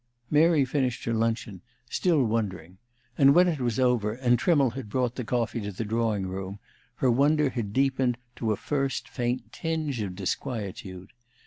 Mary finished her luncheon, still wondering, and when it was over, and Trimmle had brought the coffee to the drawing room, her wonder had deepened to a first faint tinge of disquietude.